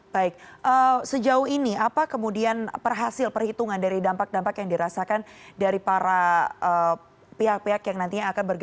baik sejauh ini apa kemudian perhasil perhitungan dari dampak dampak yang dirasakan dari para pihak pihak yang nantinya akan bergabung